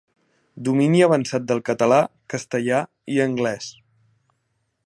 Domini avançat de català, castellà i anglès.